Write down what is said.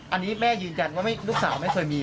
อันนี้แม่ยืนยันว่าลูกสาวไม่เคยมี